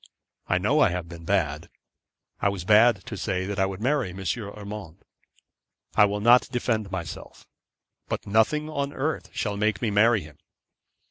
I know I have been bad. I was bad to say that I would marry M. Urmand. I will not defend myself. But nothing on earth shall make me marry him.